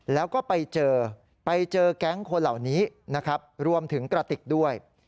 แล้วก็ไปเจอแก๊งคนเหล่านี้รวมถึงกะติกด้วย